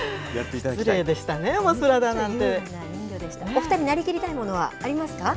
お２人、なりきりたいものってありますか？